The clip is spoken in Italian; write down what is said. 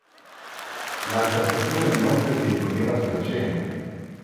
L'alta statura inoltre si imponeva sulla scena.